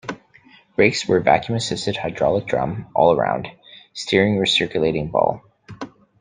Brakes were vacuum-assisted hydraulic drum all around, steering recirculating ball.